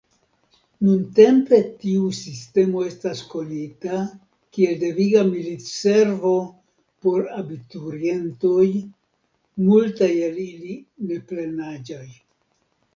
Nuntempe tiu sistemo estas konita kiel deviga militservo por abiturientoj, multaj el ili neplenaĝaj.